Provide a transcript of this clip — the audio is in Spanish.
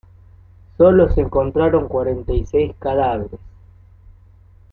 Sólo se encontraron cuarenta y seis cadáveres.